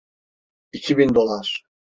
İki bin dolar.